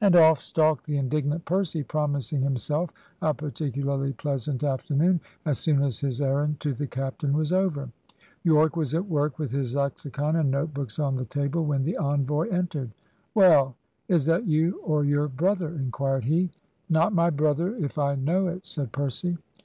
And off stalked the indignant Percy, promising himself a particularly pleasant afternoon, as soon as his errand to the captain was over. Yorke was at work, with his lexicon and notebooks on the table, when the envoy entered. "Well, is that you or your brother?" inquired he. "Not my brother, if I know it," said Percy.